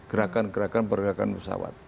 gerakan gerakan pergerakan pesawat